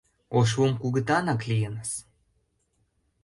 Ошлум кугытанак лийыныс!